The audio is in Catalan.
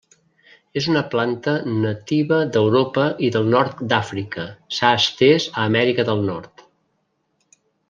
És una planta nativa d'Europa i del Nord d'Àfrica s'ha estès a Amèrica del Nord.